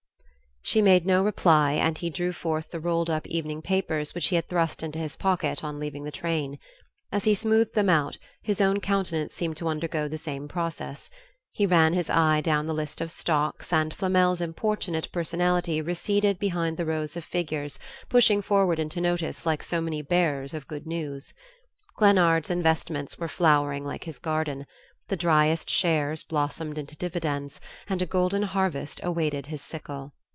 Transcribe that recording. She made no reply and he drew forth the rolled up evening papers which he had thrust into his pocket on leaving the train. As he smoothed them out his own countenance seemed to undergo the same process. He ran his eye down the list of stocks and Flamel's importunate personality receded behind the rows of figures pushing forward into notice like so many bearers of good news. Glennard's investments were flowering like his garden: the dryest shares blossomed into dividends, and a golden harvest awaited his sickle.